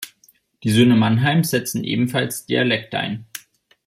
Die Söhne Mannheims setzen ebenfalls Dialekt ein.